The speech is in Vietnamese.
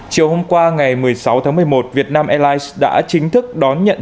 chiều hôm qua ngày một mươi sáu tháng một mươi một việt nam airlines đã chính thức đón nhận